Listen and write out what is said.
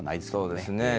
そうですね。